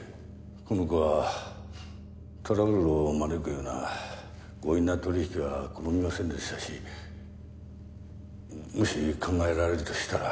この子はトラブルを招くような強引な取引は好みませんでしたしもし考えられるとしたら。